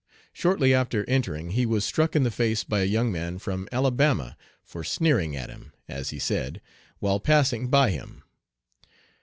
Shortly after entering he was struck in the face by a young man from Alabama for sneering at him, as he said, while passing by him.